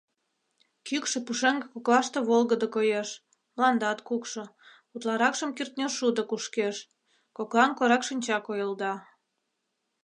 Кӱкшӧ пушеҥге коклаште волгыдо коеш, мландат кукшо, утларакшым кӱртньышудо кушкеш, коклан коракшинча койылда.